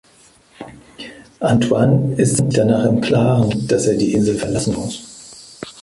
Antoine ist sich danach im Klaren, dass er die Insel verlassen muss.